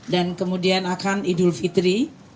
dan kemudian akan idul fitri